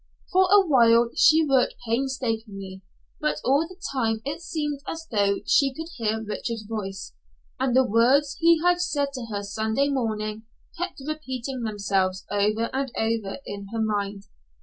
For a while she worked painstakingly, but all the time it seemed as though she could hear Richard's voice, and the words he had said to her Sunday morning kept repeating themselves over and over in her mind.